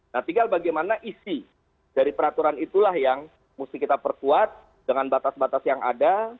nah tinggal bagaimana isi dari peraturan itulah yang mesti kita perkuat dengan batas batas yang ada